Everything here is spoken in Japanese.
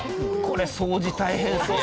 これ掃除大変そう。